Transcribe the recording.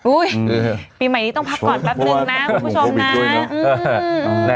ปีใหม่นี้ต้องพักก่อนแป๊บนึงนะคุณผู้ชมนะ